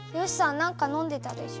何か飲んでたでしょ？